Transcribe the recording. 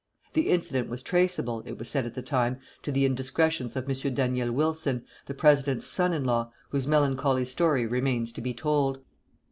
The incident was traceable, it was said at the time, to the indiscretions of M. Daniel Wilson, the president's son in law, whose melancholy story remains to be told.